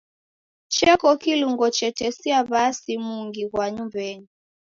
Cheko kilungo chetesia w'asi mungi ghwa nyumbenyi.